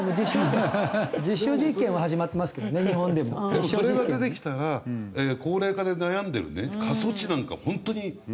実証実験は始まってますけどね日本でも。それが出てきたら高齢化で悩んでる過疎地なんか本当にいいですよ。